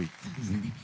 そうですね。